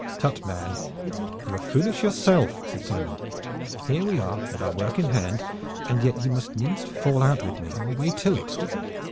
"Tut, man! you are as foolish yourself," said Simon. "Here we are with our work in hand, and yet you must needs fall out with me on our way to it.